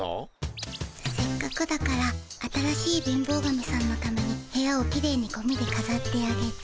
せっかくだから新しい貧乏神さんのために部屋をきれいにゴミでかざってあげて。